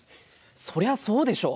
それはそうでしょう。